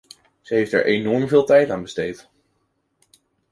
Ze heeft er enorm veel tijd aan besteed.